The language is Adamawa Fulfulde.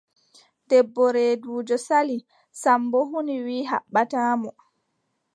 Debbo reeduujo Sali, Sammbo huni wiʼi haɓɓataa mo.